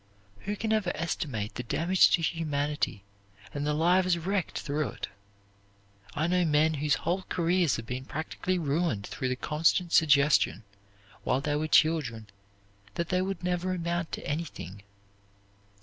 Who can ever estimate the damage to humanity and the lives wrecked through it! I know men whose whole careers have been practically ruined through the constant suggestion, while they were children, that they would never amount to anything.